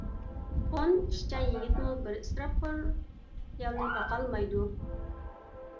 ئون ئىشچان يىگىتمۇ بىر ئىسراپخور ئايالنى باقالمايدۇ.